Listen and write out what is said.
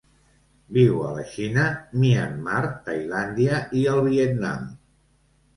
Viu a la Xina, Myanmar, Tailàndia i el Vietnam.